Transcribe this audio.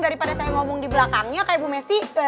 daripada saya ngomong di belakangnya kayak ibu messi